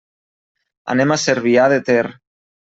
Anem a Cervià de Ter.